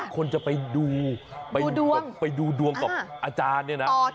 คนจะไปดูไปดูดวงกับอาจารย์เนี่ยนะ